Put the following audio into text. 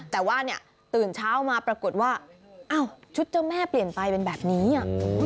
แต่ว่าเนี่ยตื่นเช้ามาปรากฏว่าอ้าวชุดเจ้าแม่เปลี่ยนไปเป็นแบบนี้อ่ะ